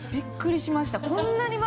びっくりしました。